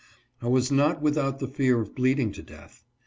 I was not without the fear of bleeding to death.